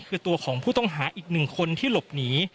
คือตัวของผู้ต้องหาอีกหนึ่งคนที่หลบหนี